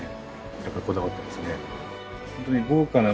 やっぱりこだわってますね